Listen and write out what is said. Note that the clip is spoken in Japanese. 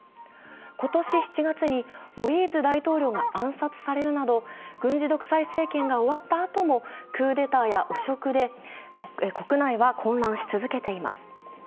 今年７月にモイーズ大統領が暗殺されるなど軍事独裁政権が終わったあともクーデターや汚職で国内は混乱し続けています。